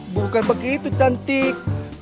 bukan begitu cantik